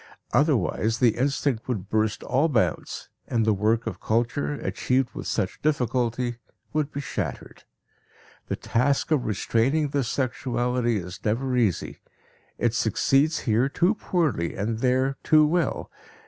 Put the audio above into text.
Otherwise the instinct would burst all bounds and the work of culture, achieved with such difficulty, would be shattered. The task of restraining this sexuality is never easy; it succeeds here too poorly and there too well.